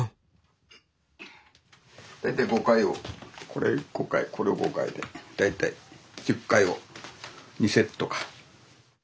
これ５回これを５回で大体１０回を２セットか。